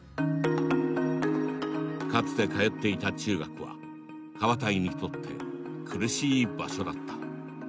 かつて通っていた中学はカワタイにとって苦しい場所だった。